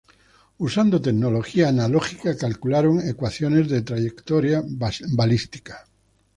Usando tecnología analógica, calcularon ecuaciones de trayectoria balística.